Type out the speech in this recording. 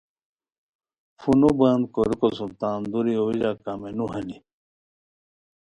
فونو بند کوریکو سُم تان دُوری اویژا کا مینو ہانی